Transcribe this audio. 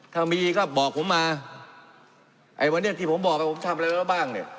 ถ้ามีก็บอกผมมาไอ้วันนี้ที่ผมบอกให้ผมทำอะไรไว้บ้างเนี่ย